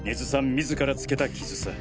自らつけた傷さ。